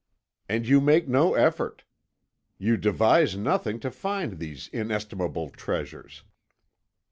"And you make no effort. You devise nothing to find these inestimable treasures.